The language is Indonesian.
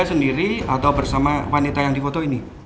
dia sendiri atau bersama wanita yang difoto di sini